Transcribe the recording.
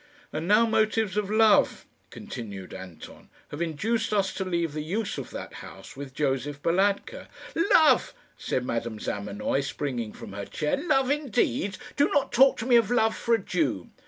"And now motives of love," continued Anton, "have induced us to leave the use of that house with Josef Balatka." "Love!" said Madame Zamenoy, springing from her chair; love indeed! "Do not talk to me of love for a Jew."